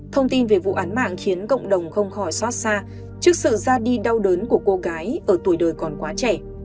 thông tin về vụ án mạng khiến cộng đồng không khỏi xót xa trước sự ra đi đau đớn của cô gái ở tuổi đời còn quá trẻ